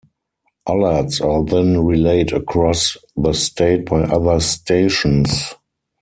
Alerts are then relayed across the state by other stations.